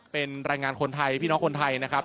เป็นแรงงานคนไทยพี่น้องคนไทยนะครับ